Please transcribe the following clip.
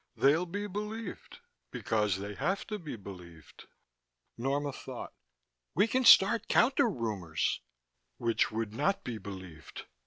They'll be believed because they have to be believed." Norma thought. "We can start counter rumors." "Which would not be believed.